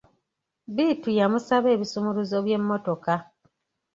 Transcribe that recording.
Bittu yamusaba ebisumuluzo by'emmotoka.